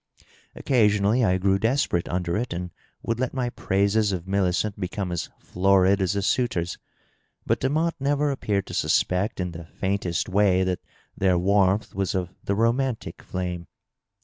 Occasionally I grew desperate under it, and would let my praises of Millicent become as florid as a suitor's. But Demotte never appeared to suspect in the faintest way that their warmth was of the romantic flame.